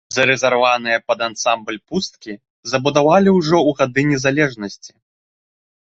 Зарэзерваваныя пад ансамбль пусткі забудавалі ўжо ў гады незалежнасці.